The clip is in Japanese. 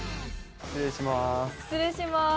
失礼します。